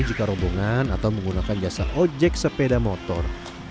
jika rombongan atau menggunakan jasa ojek sepeda motor